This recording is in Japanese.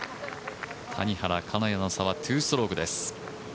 谷原金谷の差は２ストロークです。